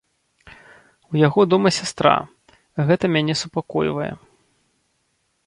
У яго дома сястра, гэта мяне супакойвае.